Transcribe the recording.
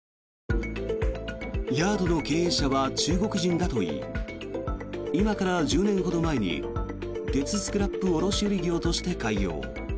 ヤードの経営者は中国人だといい今から１０年ほど前に鉄スクラップ卸売業として開業。